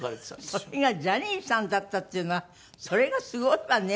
それがジャニーさんだったっていうのはそれがすごいわね。